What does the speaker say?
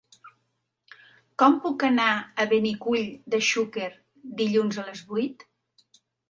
Com puc anar a Benicull de Xúquer dilluns a les vuit?